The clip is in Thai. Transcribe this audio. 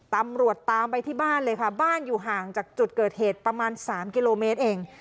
ตามไปที่บ้านเลยค่ะบ้านอยู่ห่างจากจุดเกิดเหตุประมาณ๓กิโลเมตรเอง